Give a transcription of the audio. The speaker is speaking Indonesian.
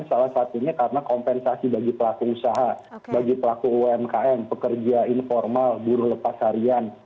salah satunya karena kompensasi bagi pelaku usaha bagi pelaku umkm pekerja informal buruh lepas harian